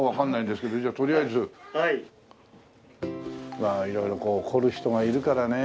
まあ色々こう凝る人がいるからね。